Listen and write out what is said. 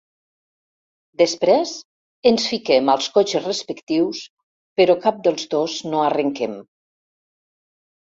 Després, ens fiquem als cotxes respectius, però cap dels dos no arrenquem.